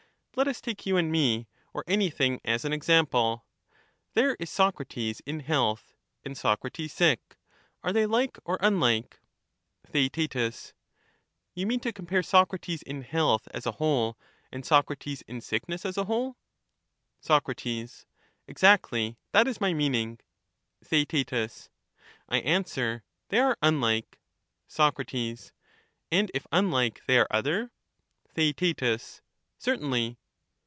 Let us take you and me, or anything as an example :— There is Socrates in health, and Socrates sick — Are they like or unlike ? Theaet You mean to compare Socrates in health as a whole, and Socrates in sickness as a whole ? Soc. Exactly ; that is my meaning. Thaeat I answer, they are unlike. Soc. And if unlike, they are other ? Theaet Certainly.